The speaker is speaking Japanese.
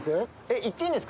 行っていいんか？